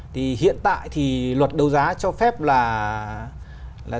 thì hiện tại thì luật đấu giá cho phép là